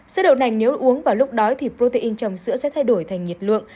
sữa đậu nành nếu uống vào lúc đói thì protein trong sữa sẽ thay đổi thành nhiệt lượng